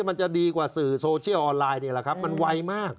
มันจะดีกว่าสื่อโซเชียลออนไลน์นี่แหละครับมันไวมาก